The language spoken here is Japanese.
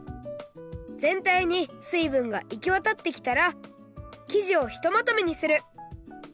ぜんたいに水ぶんがいきわたってきたら生地をひとまとめにする。